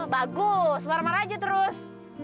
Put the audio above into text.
bagus marah aja terus